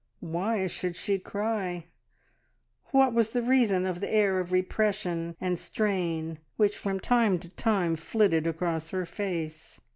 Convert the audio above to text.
Why should she cry? What was the reason of the air of repression and strain which from time to time flitted across her face?